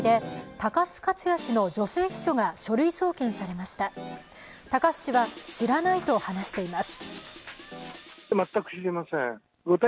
高須氏は知らないと話しています。